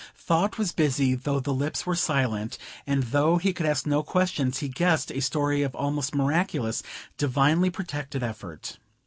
Thought was busy though the lips were silent; and though he could ask no question, he guessed a story of almost miraculous, divinely protected effort.